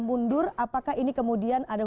mundur apakah ini kemudian ada